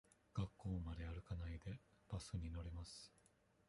学校まで歩かないで、バスに乗ります。